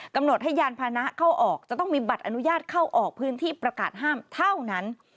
กำหนดให้ยานพานะเข้าออกจะต้องมีบัตรอนุญาตเข้าออกพื้นที่ประกาศห้ามเท่านั้น